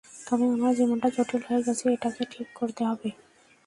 তবে আমার জীবনটা জটিল হয়ে গেছে, এটাকে ঠিক করতে হবে।